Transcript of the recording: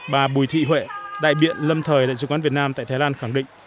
bà bùi thị huệ đại biện lâm thời đại sứ quán việt nam tại thái lan khẳng định